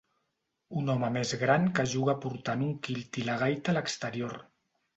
un home més gran que juga portant un quilt i la gaita a l'exterior.